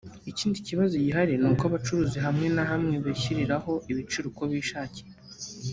Ikindi kibazo gihari ni aho abacuruzi hamwe na hamwe bishyiriraho ibiciro uko bishakiye